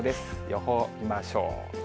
予報見ましょう。